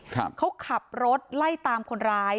เขาขับรถไล่ตามคนร้าย